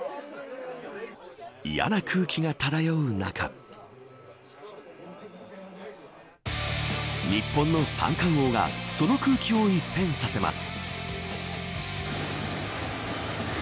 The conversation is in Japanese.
嫌な空気が漂う中日本の三冠王がその空気を一変させます。